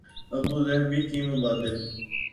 Abu Dhabi کی مبادل